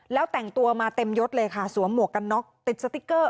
แล้วแต่งตัวมาเต็มยดเลยค่ะสวมหมวกกันน็อกติดสติ๊กเกอร์